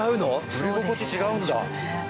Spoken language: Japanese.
乗り心地違うんだ。